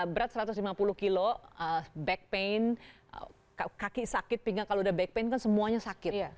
berat satu ratus lima puluh kilo back pain kaki sakit pinggang kalau udah back pain kan semuanya sakit